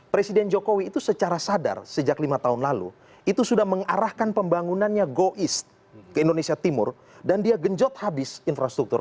presiden jokowi itu secara sadar sejak lima tahun lalu itu sudah mengarahkan pembangunannya go is ke indonesia timur dan dia genjot habis infrastruktur